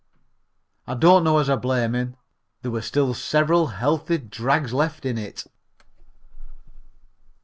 I don't know as I blame him there were still several healthy drags left in it.